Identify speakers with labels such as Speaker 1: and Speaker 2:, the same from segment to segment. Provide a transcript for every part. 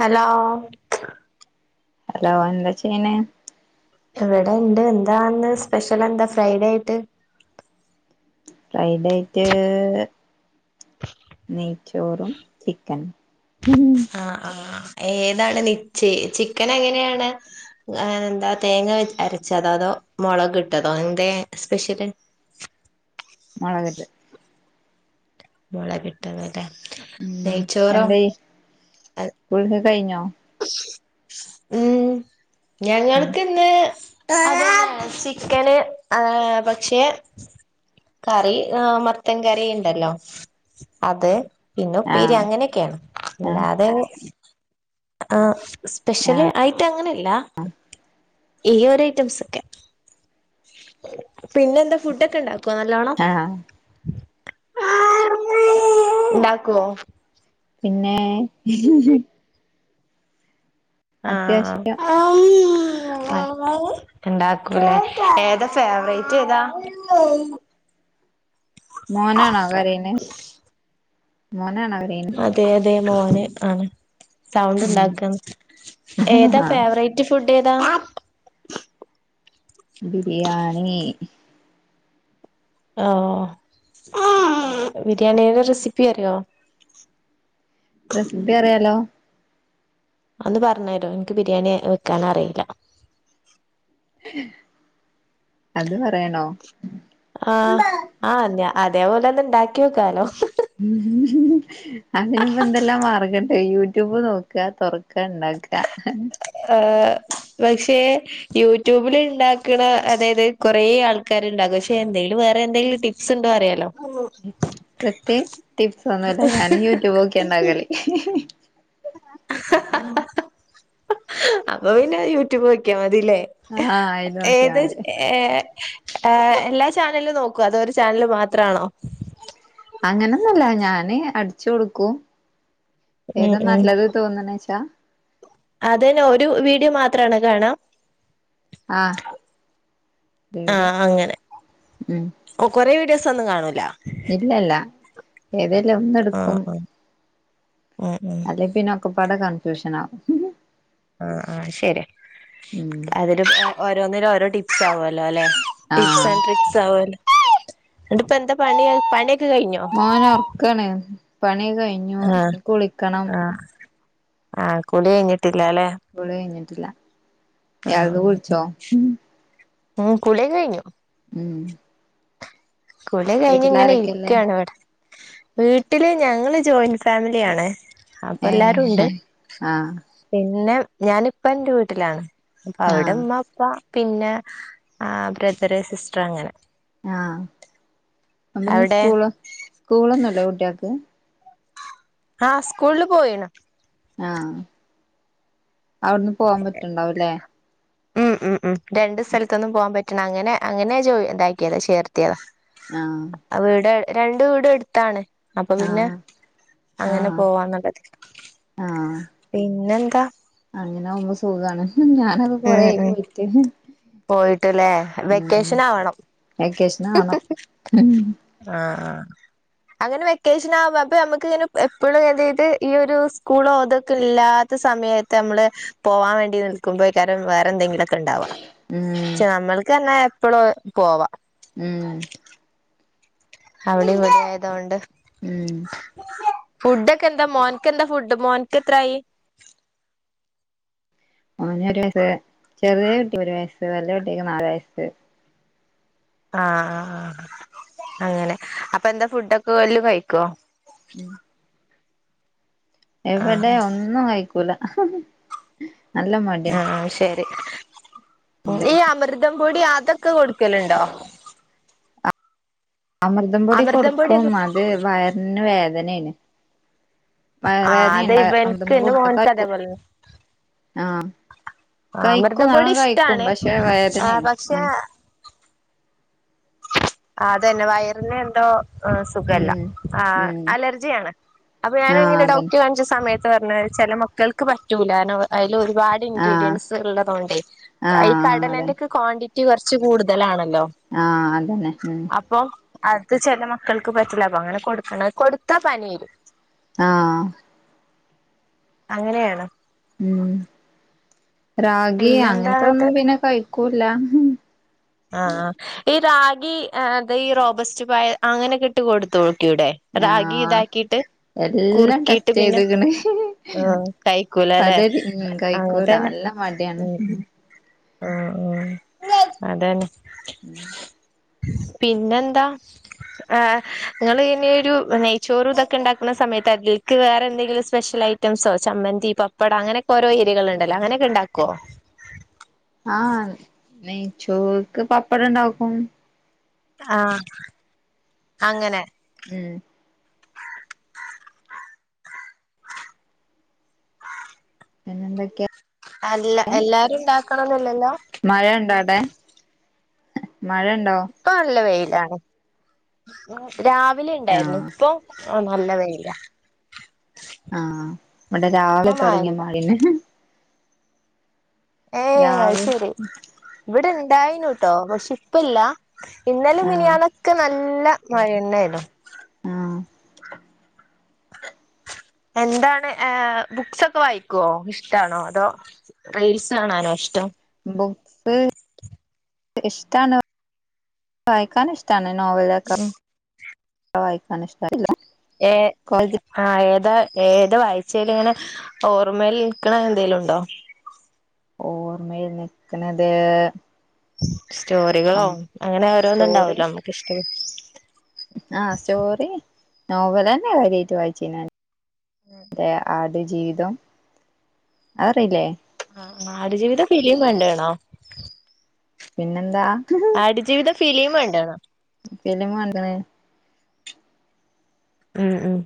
Speaker 1: Hello
Speaker 2: hello എന്താ ചെയ്യനെ
Speaker 1: ഇവിടെണ്ട് എന്താന്ന് സ്പെഷ്യൽ എന്താ ഫ്രൈഡേ ആയിട്ട്
Speaker 2: ഫ്രൈഡായിറ്റ് നെയ് ചോറും ചിക്കനും
Speaker 1: ആ ആ ഏതാണ് നിച്ചയ ചിക്കൻ എങ്ങനെയാണ് എന്താ തേങ്ങ അരച്ചതോ അതോ മുളക് ഇട്ടതോ എന്താ സ്പെഷ്യൽ
Speaker 2: മുളകിട്ട്
Speaker 1: മുളകിട്ടതല്ലേ നെയ്ച്ചോറൊ
Speaker 2: കുളിക്ക കഴിഞ്ഞോ
Speaker 1: ഉം
Speaker 2: ഉം
Speaker 1: ഞങ്ങൾക്കിന്ന് അതന്ന ചിക്കന് പക്ഷേ കറി മത്തൻ കറി ഉണ്ടല്ലോ അത് പിന്നെ ഉപ്പേരി
Speaker 2: ആഹ്
Speaker 1: അങ്ങനേക്കെയാണ്
Speaker 2: ആഹ്
Speaker 1: അല്ലാതെ ആഹ് സ്പെഷ്യല്
Speaker 2: ആഹ്
Speaker 1: ആയിട്ട് അങ്ങനെല്ല ഈ ഒരു ഐറ്റംസ് ഒക്കെ പിന്നെന്താ ഫുഡൊക്കെ ഇണ്ടാക്കുവോ നല്ലോണം
Speaker 2: ആഹ്
Speaker 1: ഉണ്ടാക്കോ
Speaker 2: പിന്നേ അത്യാവശ്യം
Speaker 1: ആഹ് ഉണ്ടാക്കൂലെ ഏതാ ഫേവറേറ്റ് ഏതാ
Speaker 2: മോനാണോ കരയ്ണെ മോനാണോ കരയ്-
Speaker 1: അതെ അതെ മോന് ആണ് സൗണ്ട്
Speaker 2: ഉം
Speaker 1: ഉണ്ടാക്കാണ് ഏതാ
Speaker 2: ആഹ്
Speaker 1: ഫേവറേ റ്റ് ഫുഡേ താ
Speaker 2: ബിരിയാണി
Speaker 1: ഓഹ് ബിരിയാണിയുടെ റെസിപ്പി അറിയോ
Speaker 2: റെസിപ്പി അറിയാലോ
Speaker 1: ഒന്ന് പറഞ്ഞരോ എനിക്ക് ബിരിയാണി വെക്കാനറിയില്ല
Speaker 2: അത് പറയണോ
Speaker 1: ആഹ് ആഹ് അതേപോലെന്നെ ഉണ്ടാക്കിയോക്കാലൊ
Speaker 2: ഉം അതിന്പ്പംഎന്തെല്ലാം മാർഗം ഇണ്ട് യൂട്യൂബ് നോക്ക തൊറക്ക ഇണ്ടാക്ക
Speaker 1: ആഹ് പക്ഷേ യൂട്യൂബില് ഇണ്ടാക്കണ അതായത് കൊറേ ആൾക്കാര്ണ്ടാകും പക്ഷെ എന്തെങ്കിലും വേറെ എന്തെങ്കിലും ടി പ്സ്ണ്ടോ അറിയാലൊ
Speaker 2: പ്രത്യേ ടിപ്സ് ഒന്നൂല്ല ഞാനും യൂട്യൂബ് നോക്കിയണ്ടാക്കല്
Speaker 1: അപ്പൊ പിന്നെ യൂട്യൂബ് നോക്ക്യാ മതില്ലേ
Speaker 2: ആഹ് അയില് നോക്കിയാ
Speaker 1: ഏത്
Speaker 2: മതി
Speaker 1: ഏ- ഏഹ് എല്ലാ ചാനലും നോക്കോ അതോ ഒരു ചാനല് മാത്ര ആണോ
Speaker 2: അങ്ങനെന്നൊന്നൂല്ല ഞാന് അടിച്ചു കൊടുക്കും
Speaker 1: ഉം
Speaker 2: ഏതാ
Speaker 1: ഉം
Speaker 2: നല്ലത് തോന്ന്ണ്ച്ചാ
Speaker 1: അതന്നെ ഒരു വീഡിയോ മാത്രാണോ കാണാ
Speaker 2: ആഹ് വീഡിയോ
Speaker 1: ആഹ് അങ്ങനെ
Speaker 2: ഉം
Speaker 1: കൊ കൊറേ വീഡിയോസ് ഒന്നും കാണൂല
Speaker 2: ഇല്ലല്ല ഏതേലും ഒന്ന്എടുക്കും
Speaker 1: ആഹ് ആഹ്
Speaker 2: പിന്നെക്കെപാടെ കൺഫ്യൂഷനാ
Speaker 1: ആഹ് ആഹ് ശരിയാ
Speaker 2: ഉം
Speaker 1: അതില് ഓരോന്നില് ഓരോ ടി- പ്സാവോല അല്ലേ ടിപ്സ്
Speaker 2: ആഹ്
Speaker 1: ആൻ ട്രിക്സ് ആവോല്ലോ ഇങ്ങട്ട്പ്പെന്താ പണി പണിയൊക്കെ കഴിഞ്ഞൊ
Speaker 2: ഓന് ഉറക്കാണ് പണി കഴിഞ്ഞു
Speaker 1: ആഹ്
Speaker 2: ഇനി കുളിക്കണം
Speaker 1: ആഹ് ആഹ് കുളി കഴിഞ്ഞിട്ടില്ല അല്ലെ
Speaker 2: കുളി കഴിഞ്ഞിട്ടില്ല
Speaker 1: ആഹ്
Speaker 2: രാവിലെ കുളിച്ചോ
Speaker 1: ഉം കുളി കഴിഞ്ഞു
Speaker 2: ഉം
Speaker 1: കുളി കയിഞ്ഞ് ഇങ്ങനെ
Speaker 2: വീട്ടിലാരൊക്കെല്ലേ
Speaker 1: ഇരിക്കാണ് ഇവടെ വീട്ടില് ഞങ്ങള് ജോയിൻ ഫാമിലിയാണ് അപ്പൊ എല്ലാരും ഉണ്ട്
Speaker 2: ഏഹ് ആഹ്
Speaker 1: പിന്നെ ഞാനിപ്പ എന്റെ വീട്ടിലാണ് അപ്പൊ അവിടെ
Speaker 2: ആഹ്
Speaker 1: ഉമ്മ അപ്പ പിന്നെ ആഹ് ബ്രദറ് സിസ്റ്റർ അങ്ങനെ
Speaker 2: ആഹ് അപ്പൊന്ന്
Speaker 1: അവിടെ
Speaker 2: സ്കൂളോ സ്കൂളൊന്നുല്ലേ കുട്ടിയേക്ക്
Speaker 1: ആഹ് സ്കൂളില് പോയിണ്
Speaker 2: ആഹ് അവിടുന്ന് പോവാൻ പറ്റ്ണ്ടാവുലെ
Speaker 1: ഉം ഉം ഉം രണ്ട് സ്ഥലത്ത്ന്നും പോവാൻ പറ്റ്ണെ അങ്ങനെ അങ്ങനെ ജോ ഇതാക്കിയതാ ചേർത്തിയതാ
Speaker 2: ആഹ്
Speaker 1: ആഹ് വീട് രണ്ട് വീടും എടുത്താണ് അപ്പൊ പിന്നെ
Speaker 2: ആഹ്
Speaker 1: അങ്ങനെ
Speaker 2: ആഹ്
Speaker 1: പോവാന്നുള്ള നൽക്ക്
Speaker 2: ആഹ്
Speaker 1: പിന്നെന്താ
Speaker 2: അങ്ങനെ ആകുമ്പോ സുഖാണ് ഞാനൊക്കെ കൊറെ ആയി പോയിട്ട്
Speaker 1: പോയിട്ട്ലെ
Speaker 2: ഉം
Speaker 1: വെക്കേഷൻ ആവണം
Speaker 2: വെക്കേഷനാവണം ഉം
Speaker 1: ആഹ് ആഹ് അങ്ങനെ വെക്കേഷൻ ആക അപ്പൊ നമുക്ക് ഇങ്ങനെ എപ്പോഴും ഏതായത് ഈ ഒരു സ്കൂളോതൊക്കെ ഇല്ലാ ത്ത സമയത്ത് അമ്മള് പോവാൻ വേണ്ടി നിൽക്കുമ്പൊഴേക്കാരം വേറെ എന്തെങ്കിലൊക്കെ ഇണ്ടാവാ ചെ നമ്മൾക്ക് അങ്ങനെ എപ്പളും പോവാ
Speaker 2: ഉം
Speaker 1: അവടീം ഇവടീം ആയതോണ്ട്.
Speaker 2: ഉം
Speaker 1: ഫുഡൊക്കെ എന്താ മോൻക്ക് എന്താ ഫുഡ്? മോൻക്ക് എത്രായി?
Speaker 2: ഓന് ഒര് വയസ് ചെറിയ കുട്ടിക്കൊര് വയസ്സ് വല്ല്യ കുട്ടിക്ക് നാല് വയസ്സ്.
Speaker 1: ആഹ് ആഹ് ആഹ് അങ്ങനെ അപ്പൊ എന്താ ഫുഡൊക്കെ എല്ലും കഴിക്കോ
Speaker 2: ഉം എവടെ
Speaker 1: ആഹ്
Speaker 2: ഒന്നും കഴിക്കൂല. നല്ല മടിയാ
Speaker 1: ആഹ് അത് ശരി
Speaker 2: ഫുഡ്
Speaker 1: ഈ
Speaker 2: കഴിക്കാൻ
Speaker 1: അമൃതം പൊടി അതൊക്കെ കൊട്ക്കല്ണ്ടോ
Speaker 2: അമൃതം പൊടി
Speaker 1: അമൃതം
Speaker 2: കൊട്ക്കും
Speaker 1: പൊടിയൊക്കെ
Speaker 2: അത് വയറ്ന് വേദനേണ്.
Speaker 1: ആ
Speaker 2: വയറ് വേദനേം
Speaker 1: അതെ
Speaker 2: ഇണ്ട് അമൃതം
Speaker 1: ഇവൻക്ക്
Speaker 2: പൊടി
Speaker 1: എന്റെ
Speaker 2: കൊട്ത്താ
Speaker 1: മോൻക്ക്
Speaker 2: കഴിക്കോ
Speaker 1: അതേപോലെന്നെ
Speaker 2: ആഹ്
Speaker 1: ആ
Speaker 2: കഴിക്കും
Speaker 1: അമൃതം പൊടി
Speaker 2: നല്ലോണം കഴിക്കും
Speaker 1: ഇഷ്ടാണ്
Speaker 2: പക്ഷെ
Speaker 1: ആ
Speaker 2: വേദനേണ്
Speaker 1: പക്ഷെ
Speaker 2: ഉം
Speaker 1: ആഹ് അതന്നെ വയറിന് എന്തോ- ആഹ് സുഖല്ല
Speaker 2: ഉം
Speaker 1: ആഹ്
Speaker 2: ഉം
Speaker 1: അലർജി ആണ് അപ്പൊ
Speaker 2: ആഹ്
Speaker 1: ഞാന്ങ്ങനെ
Speaker 2: അതന്നെ
Speaker 1: ഡോക്റ്റെ കാണിച്ച സമയ- ത്ത് പറഞ്ഞ് ചെല മക്കൾക്ക് പറ്റൂല കാരണം അയിലൊരുപാട്
Speaker 2: ആഹ്
Speaker 1: ഇൻഗ്രീഡിയൻസ് ഇള്ളതൊണ്ടേ അയില്
Speaker 2: ആഹ് അതന്നെ
Speaker 1: കടലന്റെക്കെ ക്വാണ്ടിറ്റി കൊറച്ച് കൂട്തലാണല്ലോ
Speaker 2: ആഹ് അതന്നെ ഉം
Speaker 1: അപ്പൊ അത് ചെല മക്കൾക്ക് പറ്റില്ല അപ്പങ്ങനെ കൊടുക്ക്ണെ കൊട്ത്താ പനി വെരും
Speaker 2: ആഹ്
Speaker 1: അങ്ങനെയാണ്
Speaker 2: ഉം റാഗി
Speaker 1: പിന്നെന്താന്നിട്ട്
Speaker 2: അങ്ങൻത്തൊന്നും പിന്നെ കഴിക്കൂല്ല
Speaker 1: ആഹ് ഈ റാഗി ആഹ് അത് ഈ റോബസ്റ്റ് പഴം അങ്ങനെക്കെ ഇട്ട് കൊട്ത്തോക്കിക്കൂടെ റാഗി
Speaker 2: ആഹ്
Speaker 1: ഇതാക്കീട്ട്
Speaker 2: എല്ലാം
Speaker 1: കുറ്ക്കീട്ട്
Speaker 2: ടെസ്റ്റ്
Speaker 1: പിന്നെ
Speaker 2: ചെയ്ത്ക്ക്ണ്
Speaker 1: ആഹ് കഴിക്കൂലലേ
Speaker 2: പല ഉം കഴിക്കൂല
Speaker 1: അങ്ങൻത്തന്നെ
Speaker 2: നല്ല മടിയാണ്
Speaker 1: ഉം ഉം ആഹ് ആഹ് അതന്നെ
Speaker 2: ഉം
Speaker 1: പിന്നെന്താ ആഹ് ഇങ്ങളിനി ഒരു നെയ്ച്ചോറൂം ഇതൊക്കെ ഇണ്ടാക്ക്‌ണ സമയത്ത് അതിലേക്ക് വേറെ എന്തെങ്കിലും സ്പെഷ്യലൈ- റ്റംസോ ചമ്മന്തി പപ്പട അങ്ങനെക്കോരോ എരികള്ണ്ടല്ലോ അങ്ങനെക്കെ ഇണ്ടാക്കോ?
Speaker 2: ആഹ് നെയ്ച്ചോർക്ക്‌ പപ്പടണ്ടാക്കും.
Speaker 1: ആഹ്. അങ്ങനെ.
Speaker 2: ഉംഹ്. പിന്നെന്തൊക്കെ?
Speaker 1: അല്ല എല്ലാരും ഇണ്ടാക്കണംന്ന്ല്ലല്ലോ?
Speaker 2: മഴണ്ടോ അവടേ, മഴണ്ടോ?
Speaker 1: ഇപ്പൊ നല്ല വെയിലാണ്. രാവിലിണ്ടായ്ര്ന്നു
Speaker 2: ആഹ്
Speaker 1: ഇപ്പം, ആഹ് നല്ല വെയിലാ.
Speaker 2: ആഹ് ഇവടെ രാവിലെ തൊടങ്യെ
Speaker 1: മഴല്ല
Speaker 2: മഴെണ്.
Speaker 1: ഏഹ്
Speaker 2: രാവിലെ
Speaker 1: അഹ്ശെരി. ഇവ്ടെ ഇണ്ടായ്നൂട്ടോ പക്ഷെ ഇപ്പല്ല ഇന്നലീം
Speaker 2: ആഹ്
Speaker 1: മിനിയാന്നൊക്കെ നല്ല മഴെന്നേയ്നു.
Speaker 2: ആഹ്
Speaker 1: എന്താണ് ഏഹ് ബുക്സൊക്കെ വായിക്കോ, ഇഷ്ടാണോ? അതോ, റീൽസ് കാണാനോ ഇഷ്ടം?
Speaker 2: ബുക്ക്‌ ഇഷ്ടാണ് വായിക്കാന്ഷ്ടാണ് നോവലൊക്കെ
Speaker 1: ഉം
Speaker 2: വായിക്കാന്ഷ്ടാ [unintelligible]
Speaker 1: ഏ ആഹ് ഏതാ ഏതാ വായിച്ചേല്ങ്ങനെ ഓർമയിൽ നിക്ക്‌ണ എന്തേലുണ്ടോ?
Speaker 2: ഓർമ്മയില് നിക്ക്‌ണത്,
Speaker 1: സ്റ്റോറികളോ അങ്ങനെ
Speaker 2: സ്റ്റോറി
Speaker 1: ഓരോന്ന്ണ്ടാവൊല്ലോ നമ്മക്ക്ഷ്ടപ്പെട്ടത്
Speaker 2: ആഹ് സ്റ്റോറി നോവലെന്നെ കാര്യായിട്ട് വായിച്ചീന്നെ. [unintelligible] ആ ട് ജീവിതം. അത് അറീല്ലേ?
Speaker 1: ആഹ്. ആട് ജീവിതം ഫിലിം കൺണ്ട്ണോ?
Speaker 2: പിന്നെന്താ.
Speaker 1: ആട് ജീവിതം ഫിലിം കണ്ട്ണോ?
Speaker 2: സിനിമ കണ്ട്ണ്.
Speaker 1: ഉം ഉം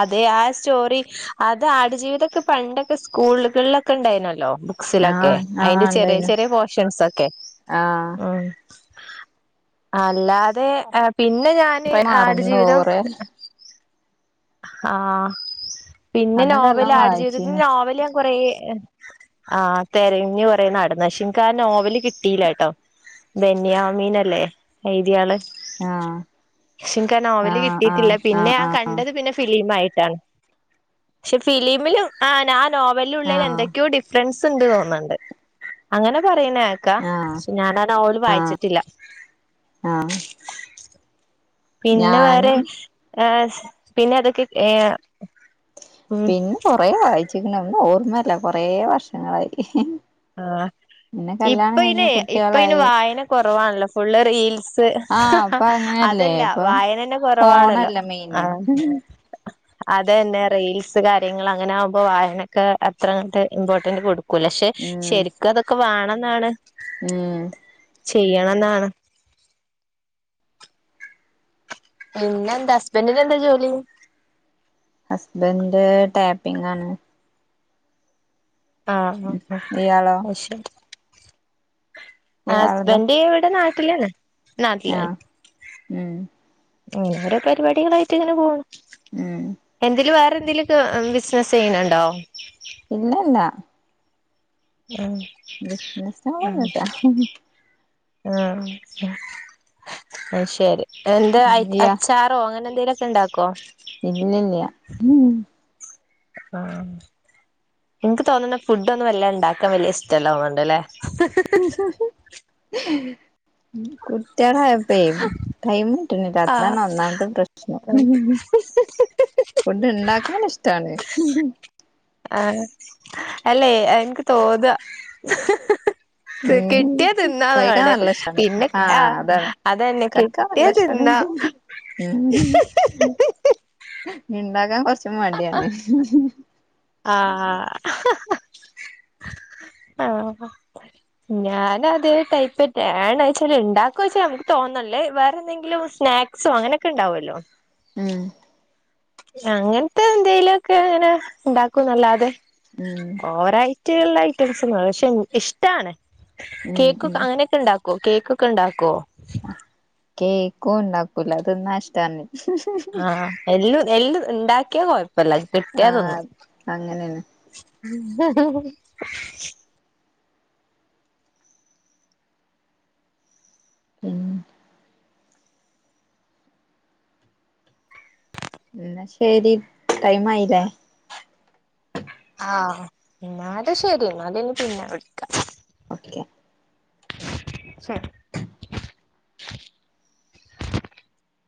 Speaker 1: അതേ ആ സ്റ്റോറി അത് ആടുജീവിതൊക്കെ പണ്ടൊക്കെ സ്കൂളുകളിലൊക്കെ ഉണ്ടായിനല്ലോ. ക്സിലൊക്കെ
Speaker 2: ആഹ് ആഹ്
Speaker 1: അതിന്റെ ചെറിയ
Speaker 2: ഇണ്ടായിനു
Speaker 1: ചെറിയ പോർഷൻസൊക്കെ.
Speaker 2: ആഹ്
Speaker 1: ഉം അല്ലാതെ എഹ് പിന്നെ ഞാന്
Speaker 2: ഇപ്പ
Speaker 1: ആടു
Speaker 2: മറന്നു
Speaker 1: ജീവിതം
Speaker 2: കൊറേ
Speaker 1: ആഹ് പിന്നെ
Speaker 2: അന്നൊക്കെ
Speaker 1: നോവൽ
Speaker 2: നല്ലോം
Speaker 1: ആട്
Speaker 2: വായിച്ചീനു
Speaker 1: ജീവിതത്തിൻ്റെ നോവല് ഞാൻ കൊറേ ആഹ് തെരഞ്ഞു കൊറെ നടന്ന് പക്ഷേ ഇൻക്ക് ആ നോവല് കിട്ടീല്ലട്ടോ. ബെന്യാമിനല്ലേ എഴുതിയാള്?
Speaker 2: ആഹ്
Speaker 1: പക്ഷേ ഇൻക്കാ നോവല്
Speaker 2: ആഹ്
Speaker 1: കിട്ടീട്ടില്ല പിന്നെ
Speaker 2: ആഹ്
Speaker 1: ഞാൻ
Speaker 2: ആഹ്
Speaker 1: കണ്ടത് പിന്നെ ഫിലിമായിട്ടാണ്. പക്ഷേ ഫിലിമിലും ആന്നാ ആ നോവൽല്ള്ളേലും
Speaker 2: ആഹ്
Speaker 1: എന്തൊക്കെയോ ഡി ഫ്റൻസ് ണ്ട് തോന്ന്ണ്ട്. അങ്ങനെ പറയ്ണേക്കാ
Speaker 2: ആഹ്
Speaker 1: പക്ഷേ ഞാനാ നോവല്
Speaker 2: ആഹ് ആഹ്
Speaker 1: വായിച്ചിട്ടില്ല.
Speaker 2: ആഹ്.
Speaker 1: പിന്നെ വേറെ
Speaker 2: ഞാനും
Speaker 1: ഏഹ് പിന്നെ ഏതൊക്കെ ഏഹ് ഉം
Speaker 2: പിന്നെ കൊറേ വായിച്ച്ക്ക്ണ്, ഒന്നും ഓർമ്മല്ല കൊറേ വർഷങ്ങളായി.
Speaker 1: ആഹ്
Speaker 2: പിന്നെ കല്യാണം കഴിഞ്ഞു
Speaker 1: ഇപ്പയ്നേ ഇപ്പയ്ന്
Speaker 2: കുട്ട്യാളായി
Speaker 1: വായന കൊറവാണല്ലോ ഫുള്ള് റീൽസ്.
Speaker 2: ആഹ് ഇപ്പൊ അങ്ങനെയല്ലേ
Speaker 1: അതല്ല
Speaker 2: ഇപ്പൊ
Speaker 1: വായനന്നെ കൊറവാണല്ലോ
Speaker 2: ഫോണല്ലേ മെയിന്
Speaker 1: ആഹ്. അതന്നെ റീൽസ് കാര്യങ്ങൾ അങ്ങനെ ആകുമ്പോ വായനക്ക് അത്രങ്ങട്ട് ഇമ്പോർട്ടന്റ് കൊടു ക്കൂല. പക്ഷെ
Speaker 2: ഉം
Speaker 1: ശരിക്കും അതൊക്കെ വേണംന്നാണ്.
Speaker 2: ഏഹ്.
Speaker 1: ചെയ്യണംന്നാണ്. പിന്ന എന്താ ഹസ്ബന്ഡന് എന്താ ജോലി
Speaker 2: ഹസ്ബൻഡ് ടാപ്പിംഗ് ആണ്
Speaker 1: ആ ആ
Speaker 2: ഇയാളോ
Speaker 1: അയ് ശരി
Speaker 2: ഇയാളതോ
Speaker 1: ഹസ്ബൻഡ്‌ ഇവിടെ നാ ട്ടിലാണ് നാട്ടിലാന്
Speaker 2: ആഹ് ഉം
Speaker 1: ഇങ്ങനെ ഓരേ പരിപാടികളായിട്ട് ഇങ്ങനെ പോണ്
Speaker 2: ഉം
Speaker 1: എന്തേലും വേറെന്തേലും ക്കെ ബിസിനസ്സ് ചെയ്യണണ്ടോ
Speaker 2: ഇല്ലല്ല
Speaker 1: ആഹ്
Speaker 2: ബിസിനസാളെന്നും ഇല്ല
Speaker 1: ആഹ് അയ് ശരി എന്താ
Speaker 2: ഇല്ല
Speaker 1: അച്ചാറോ അങ്ങനെ എന്തേലുമൊക്കെ ഇണ്ടാക്കോ
Speaker 2: ഇലില്ല
Speaker 1: ആഹ് എനിക്ക് തോന്നുന്ന ഫുഡ് ഒന്നും വല്ല ഉണ്ടാക്കാൻ വലിയ ഇഷ്ടല്ലോ തോന്ന്ണ്ട്ല്ലേ
Speaker 2: കുട്ടികളായപ്പെ ടൈംമ് കിട്ട്ണില്ല അതാ
Speaker 1: ആഹ്
Speaker 2: ഒന്നാമത്തെ പ്രശ്നം
Speaker 1: [unintelligible]
Speaker 2: ഫുഡ് ഇണ്ടാക്കാൻ ഇഷ്ടാണ്
Speaker 1: ആഹ് അല്ലേ എനിക്ക് തോന്നാ
Speaker 2: ഉം
Speaker 1: കിട്ടിയ
Speaker 2: കഴിക്കാൻ
Speaker 1: തിന്നാതാണ്
Speaker 2: നല്ല ഇഷ്ടാണ്
Speaker 1: പിന്നെ ആ
Speaker 2: ആഹ് അതാണ്
Speaker 1: അതന്നെ കി
Speaker 2: കഴിക്കാൻ നല്ല
Speaker 1: കിട്ടിയാ
Speaker 2: ഇഷ്ടാണ്
Speaker 1: തിന്നാ
Speaker 2: ഉം ഇണ്ടാക്കാൻ കുറച്ച് മടിയാണ്
Speaker 1: ആഹ് ആഹ് ഞാന് അത് ടൈപ്പറ്റാണ് വച്ചാല് ഉണ്ടാക്കുവ വെച്ചാൽ നമുക്ക് തോന്നല്ലേ വേറെ എന്തെങ്കിലും സ്നാക് സോ അങ്ങനെയൊക്കെ ഉണ്ടാവുല്ലോ
Speaker 2: ഉം
Speaker 1: അങ്ങനത്തെ എന്തെലുമൊക്കെ ബങ്ങനെ ഉണ്ടാക്കും എനല്ലാതെ
Speaker 2: ഉം
Speaker 1: ഓര ഐറ്റള്ള ഐറ്റംസ് പക്ഷെ ഇഷ്ടാണ്
Speaker 2: ഉം ഉം
Speaker 1: കേക്കൊക്കെ അങ്ങനെയൊക്കെ ഇണ്ടാക്കുവോ കേക്കൊക്കെ ഇണ്ടാക്കോ
Speaker 2: കേക്കും ഉണ്ടാക്കൂല തിന്നാൻ ഇഷ്ടാണ്
Speaker 1: ആഹ് എല്ല് എല്ല് ഉണ്ടാക്കിയാ കൊഴപ്പല്ല കിട്ടിയതിന്നും
Speaker 2: ആഹ് അങ്ങനെയാണ്
Speaker 1: [inaudible]
Speaker 2: ഉം എന്നാ ശരി ടൈം ആയില്ലേ
Speaker 1: ആഹ് എന്നാല് ശരി എന്നാലനി പിന്നെ വിളിക്കാം
Speaker 2: ഓക്കെ
Speaker 1: ശരി